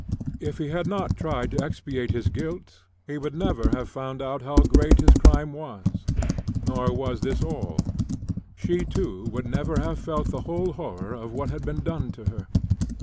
If he had not tried to expiate his guilt he would never have found out how great his crime was. Nor was this all; she, too, would never have felt the whole horror of what had been done to her.